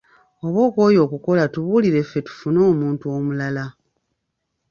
Oba okooye okukola tubuulire ffe tufune omuntu omulala.